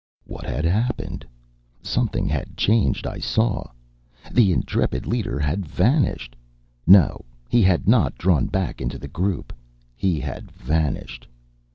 What had happened? Something had changed, I saw. The intrepid leader had vanished. No, he had not drawn back into the group. He had vanished.